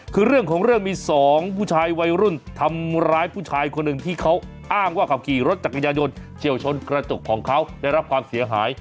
คือเรื่องของเรื่องมีสองผู้ชายวัยรุ่นทำร้ายผู้ชายคนหนึ่งที่เขาอ้างว่าขับขี่รถจักรยายนเฉียวชนกระจกของเขาได้รับความเสียหาย